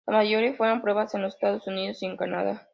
La mayoría fueron pruebas en los Estados Unidos y en Canadá.